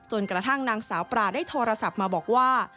กระทั่งนางสาวปลาได้โทรศัพท์มาบอกว่า